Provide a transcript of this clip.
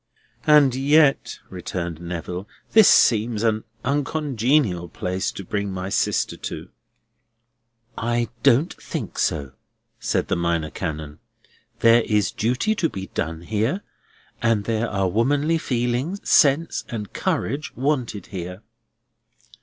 "And yet," returned Neville, "this seems an uncongenial place to bring my sister to." "I don't think so," said the Minor Canon. "There is duty to be done here; and there are womanly feeling, sense, and courage wanted here."